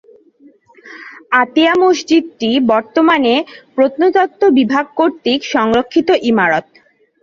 আতিয়া মসজিদটি বর্তমানে প্রত্নতত্ত্ব বিভাগ কর্তৃক সংরক্ষিত ইমারত।